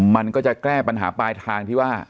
มันก็จะแก้ปัญหาปลายทางที่ว่า